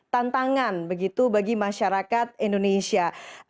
tantangan begitu bagi masyarakat indonesia